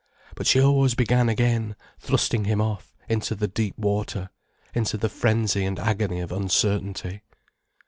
But she always began again, thrusting him off, into the deep water, into the frenzy and agony of uncertainty.